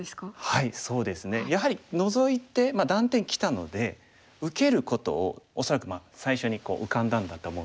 はいそうですね。やはりノゾいて断点きたので受けることを恐らくまあ最初に浮かんだんだと思うんですけれども。